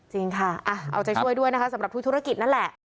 จริงค่ะเอาใจช่วยด้วยนะคะสำหรับทุกธุรกิจนั่นแหละ